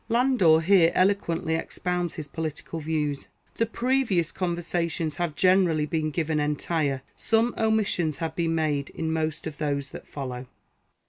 Landor here eloquently expounds his political views. — The previous Conversations have generally been given entire ; some omissions have been made in most of those that follow.